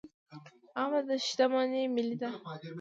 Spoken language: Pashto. عامه شتمني ملي ده